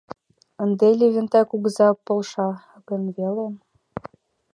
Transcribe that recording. — Ынде Левентей кугыза полша гын веле...